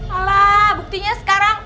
alah buktinya sekarang